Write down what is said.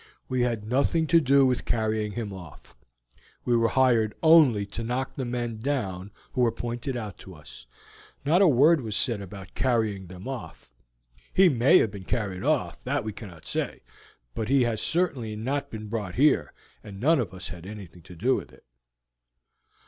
"We had nothing to do with carrying him off; we were hired only to knock the men down who were pointed out to us; not a word was said about carrying them off. He may have been carried off, that we cannot say, but he has certainly not been brought here, and none of us had anything to do with it."